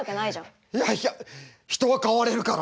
いやいや人は変われるからね。